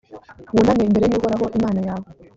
wuname imbere y’uhoraho imana yawe;